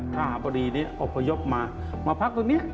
ถ้าหาบดีนี้อบพยพมามาพักตรงนี้